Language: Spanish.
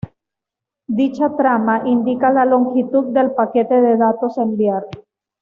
Dicha trama, indica la longitud del paquete de datos a enviar.